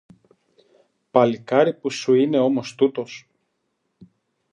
Παλικάρι που σου είναι όμως τούτος!